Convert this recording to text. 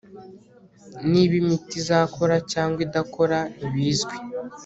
niba imiti izakora cyangwa idakora ntibizwi